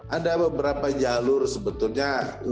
ada beberapa jalur sebetulnya